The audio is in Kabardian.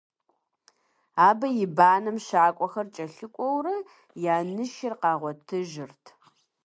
Абы и банэм щакӀуэхэр кӀэлъыкӀуэурэ, я нышыр къагъуэтыжырт.